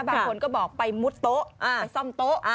บางคนก็บอกไปมุดโต๊ะไปซ่อมโต๊ะ